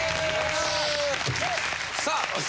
さあ。